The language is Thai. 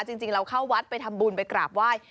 จริงเราเข้าวัดไปทำบุญไปกราบไหว้